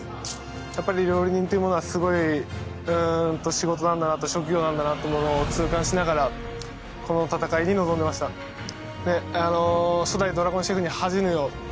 やっぱり料理人というものはすごい仕事なんだなと職業なんだなというものを痛感しながらこの戦いに臨んでました初代ＤＲＡＧＯＮＣＨＥＦに恥じぬよ